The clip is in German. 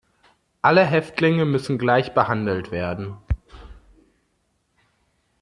Alle Häftlinge müssen gleich behandelt werden.